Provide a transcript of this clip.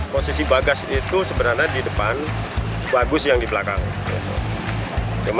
posisi bagas itu sebenarnya di depan bagus yang di belakang